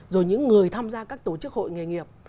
rồi những người tham gia các tổ chức hội nghề nghiệp